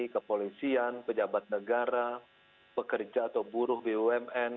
kepolisian pejabat negara pekerja atau buruh bumn